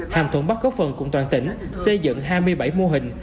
hàm thuận bắc góp phần cùng toàn tỉnh xây dựng hai mươi bảy mô hình